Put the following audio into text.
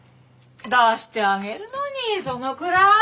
出してあげるのにそのくらい！